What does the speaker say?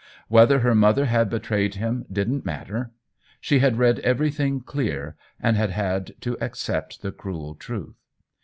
Whether her mother had betrayed him didn't matter ; she had read everything clear and had had to accept the cruel truth.